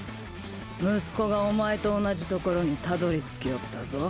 息子がお前と同じところにたどり着きおったぞ。